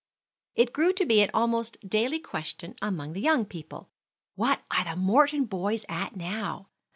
It grew to be an almost daily question among the young people, "What are the Morton boys at now?"